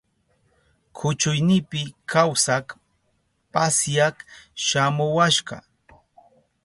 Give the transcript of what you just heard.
Kuchuynipi kawsak pasyak shamuwashka.